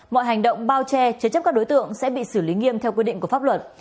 mọi hành động bao che chế chấp các đối tượng sẽ bị xử lý nghiêm theo quy định của pháp luật